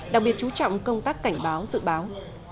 đóng sự báo